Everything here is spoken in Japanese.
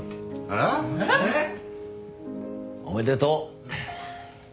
えっ？おめでとう。